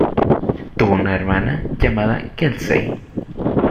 Tuvo una hermana llamada Kelsey.